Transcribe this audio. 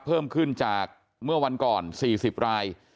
เพิ่มขึ้นจากเมื่อวันก่อน๔๐ราย